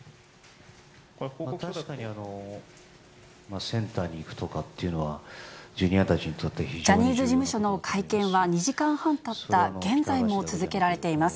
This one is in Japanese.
確かにセンターにいくとかっていうのは、ジャニーズ事務所の会見は、２時間半たった現在も続けられています。